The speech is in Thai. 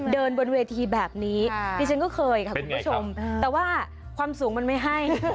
บนเวทีแบบนี้ดิฉันก็เคยค่ะคุณผู้ชมแต่ว่าความสูงมันไม่ให้